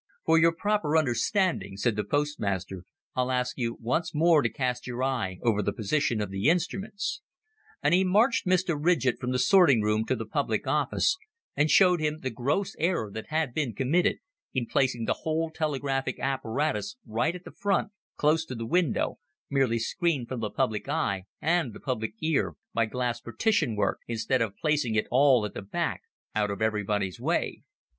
"For your proper understanding," said the postmaster, "I'll ask you once more to cast your eye over the position of the instruments;" and he marched Mr. Ridgett from the sorting room to the public office, and showed him the gross error that had been committed in placing the whole telegraphic apparatus right at the front, close to the window, merely screened from the public eye and the public ear by glass partition work, instead of placing it all at the back, out of everybody's way.